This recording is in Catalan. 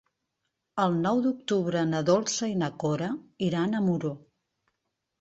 El nou d'octubre na Dolça i na Cora iran a Muro.